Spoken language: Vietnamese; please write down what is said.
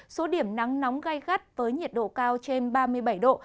số điểm nắng nóng gai gắt với nhiệt độ cao trên ba mươi bảy độ